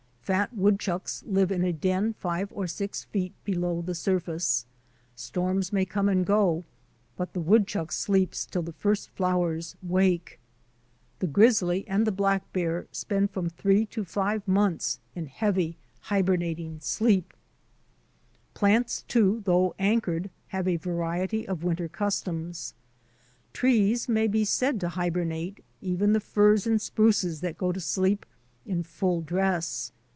Fat wood chucks live in a den five or six feet below the sur face. Storms may come and go, but the wood chuck sleeps till the first flowers wake. The grizzly and black bear spend frorn three to five months in heavy, hibernating sleep. 58 THE ADVENTURES OF A NATURE GUIDE Plants, too, though anchored, have a variety of winter customs. Trees may be said to hibernate, even the firs and spruces that go to sleep in full dress.